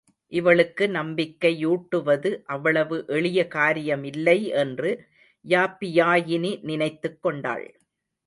இவளுக்கு நம்பிக்கை யூட்டுவது அவ்வளவு எளிய காரியமில்லை என்று யாப்பியாயினி நினைத்துக் கொண்டாள்.